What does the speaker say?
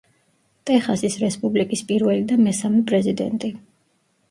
ტეხასის რესპუბლიკის პირველი და მესამე პრეზიდენტი.